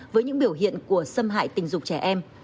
với những biểu hiện của xâm hại tình dục trẻ em